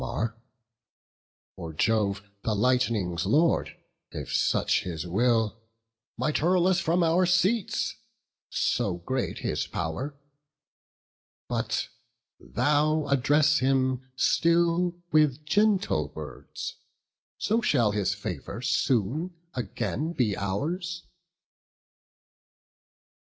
For Jove, the lightning's Lord, if such his will, Might hurl us from our seats (so great his pow'r), But thou address him still with gentle words; So shall his favour soon again be ours."